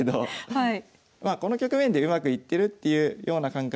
はい。